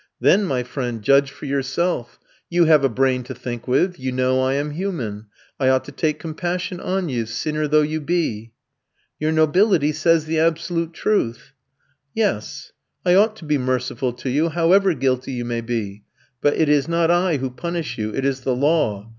"Then, my friend, judge for yourself. You have a brain to think with, you know I am human, I ought to take compassion on you, sinner though you be." "Your nobility says the absolute truth." "Yes, I ought to be merciful to you however guilty you may be. But it is not I who punish you, it is the law.